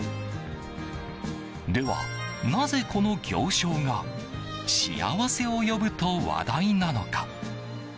ではなぜ、この行商が幸せを呼ぶと話題なのか。